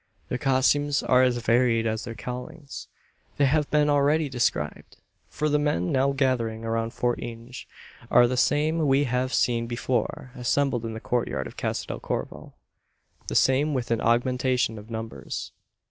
Their costumes are as varied as their callings. They have been already described: for the men now gathering around Fort Inge are the same we have seen before assembled in the courtyard of Casa del Corvo the same with an augmentation of numbers.